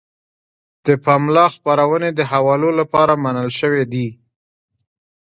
د پملا خپرونې د حوالو لپاره منل شوې دي.